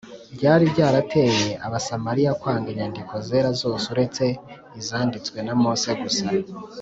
byari byarateye Abasamariya kwanga inyandiko zera zose uretse izanditswe na Mose gusa